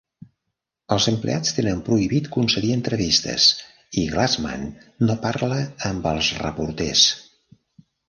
Els empleats tenen prohibit concedir entrevistes i Glassman no parla amb els reporters.